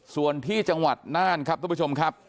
ส่วนที่จังหวัดน่านครับทุกผู้ชมครับ